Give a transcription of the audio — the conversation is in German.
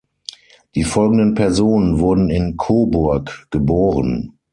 Die folgenden Personen wurden in Coburg geboren.